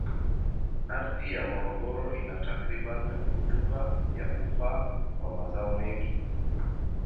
Ardhi ya Morogoro ina takribani rutuba ya kufaa kwa mazao mengi.